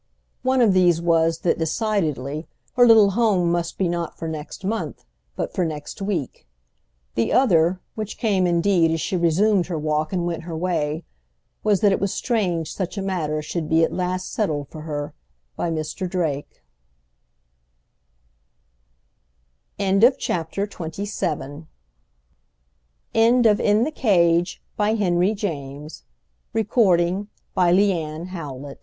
One of these was that, decidedly, her little home must be not for next month, but for next week; the other, which came indeed as she resumed her walk and went her way, was that it was strange such a matter should be at last settled for her by Mr. Drake END OF THE PROJECT GUTENBERG EBOOK IN THE CAGE This file should be nam